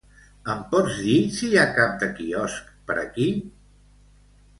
Em pots dir si hi ha cap de quiosc per aquí?